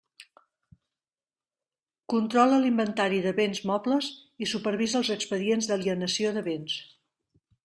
Controla l'inventari de béns mobles i supervisa els expedients d'alienació de béns.